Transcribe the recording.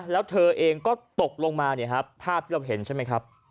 แล้วเธอเองก็ตกลงมาเนี่ยครับภาพที่เราเห็นใช่ไหมครับ